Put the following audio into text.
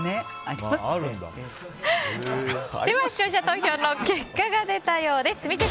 では視聴者投票の結果が出たようです。